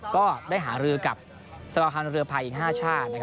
ก็ได้หารือกับสมาภัณฑ์เรือภัยอีก๕ชาติ